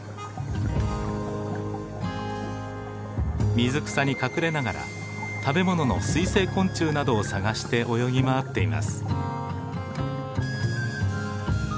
水草に隠れながら食べ物の水生昆虫などを探して泳ぎ回っています。